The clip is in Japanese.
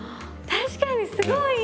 確かにすごいいい！